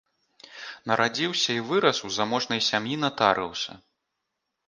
Нарадзіўся і вырас ў заможнай сям'і натарыуса.